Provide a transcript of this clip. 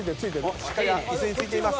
しっかりイスに付いています。